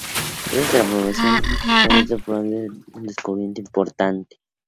Esta transformación de una ramita frondosa en una herramienta fue un descubrimiento importante.